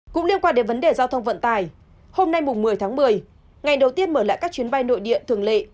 cũng liên quan đến vấn đề giao thông vận tải hôm nay một mươi tháng một mươi ngày đầu tiên mở lại các chuyến bay nội địa thường lệ